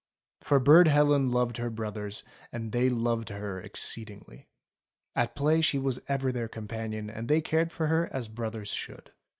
For Burd Helen loved her brothers and they loved her exceedingly. At play she was ever their companion and they cared for her as brothers should.